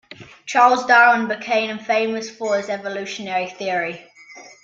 Charles Darwin became famous for his evolutionary theory.